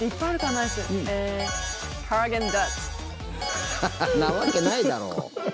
なわけないだろう。